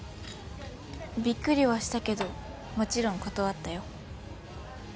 びっくりはしたけどもちろん断ったよ。